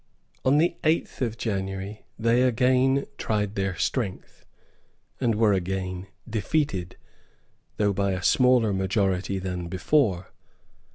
On the eighth of January they again tried their strength, and were again defeated, though by a smaller majority than before.